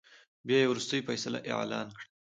بيا يې ورورستۍ فيصله اعلان کړه .